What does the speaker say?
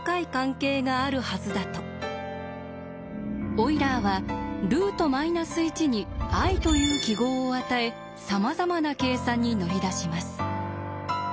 オイラーはルートマイナス１に「ｉ」という記号を与えさまざまな計算に乗り出します。